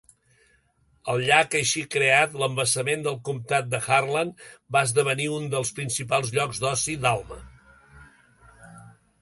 El llac així creat, l'embassament del Comtat de Harlan, va esdevenir un dels principals llocs d'oci d'Alma.